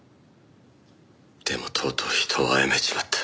でもとうとう人を殺めちまった。